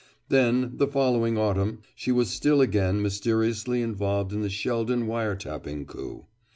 Then, the following autumn, she was still again mysteriously involved in the Sheldon wire tapping coup.